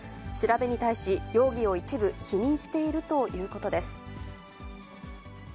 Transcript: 調べに対し、容疑を一部否認しているということです。